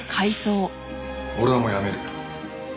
俺はもうやめる。